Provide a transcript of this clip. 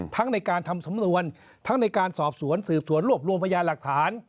ในการทำสำนวนทั้งในการสอบสวนสืบสวนรวบรวมพยานหลักฐาน